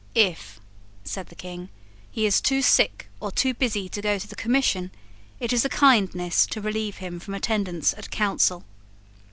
"If," said the King, "he is too sick or too busy to go to the Commission, it is a kindness to relieve him from attendance at Council."